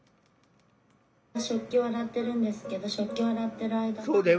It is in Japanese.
「食器を洗ってるんですけど食器を洗ってる間は」。